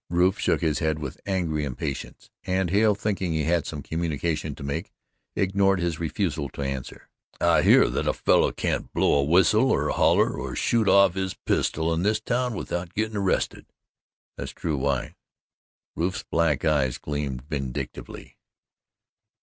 Rufe shook his head with angry impatience, and Hale, thinking he had some communication to make, ignored his refusal to answer. "I hear that a fellow can't blow a whistle or holler, or shoot off his pistol in this town without gittin' arrested." "That's true why?" Rufe's black eyes gleamed vindictively.